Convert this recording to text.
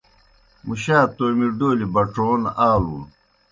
مُشا تومیْ ڈولیْ بڇَون آلُن۔